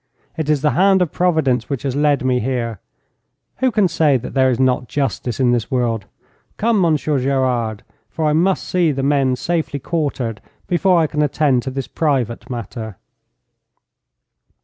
'It is the hand of Providence which has led me here. Who can say that there is not justice in this world? Come, Monsieur Gerard, for I must see the men safely quartered before I can attend to this private matter.'